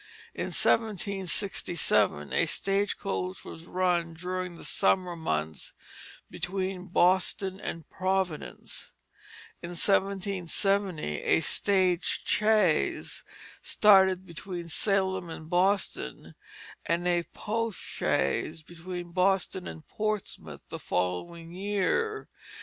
In 1767 a stage coach was run during the summer months between Boston and Providence; in 1770 a stage chaise started between Salem and Boston and a post chaise between Boston and Portsmouth the following year.